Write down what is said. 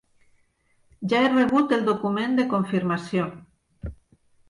Ja he rebut el document de confirmació.